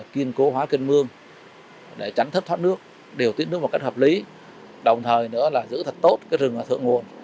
kiên cố hóa cân mương để tránh thất thoát nước điều tiết nước một cách hợp lý đồng thời nữa là giữ thật tốt rừng thượng nguồn